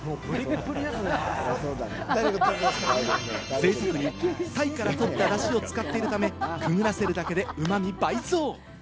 ぜいたくに鯛から取ったダシを使っているため、くぐらせるだけで、うまみ倍増。